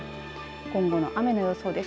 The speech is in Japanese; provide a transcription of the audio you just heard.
今後の雨の予想です。